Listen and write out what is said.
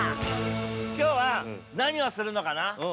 ◆きょうは何をするのかな。